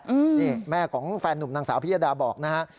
อืมนี่แม่ของแฟนหนุ่มนางสาวพิยดาบอกนะฮะ